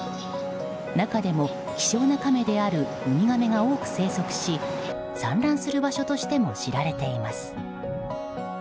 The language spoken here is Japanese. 中でも、希少なカメであるウミガメが多く生息し産卵する場所としても知られています。